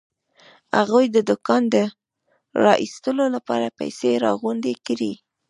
هغوی د کان د را ايستلو لپاره پيسې راغونډې کړې.